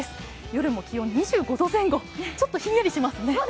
夜も気温２５度前後、ちょっとひんやりしますね。